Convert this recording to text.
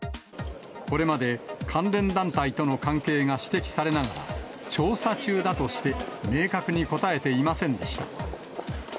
これまで関連団体との関係が指摘されながら、調査中だとして、明確に答えていませんでした。